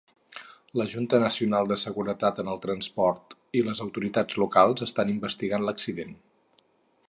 La Junta Nacional de Seguretat en el Transport i les autoritats locals estan investigant l'accident.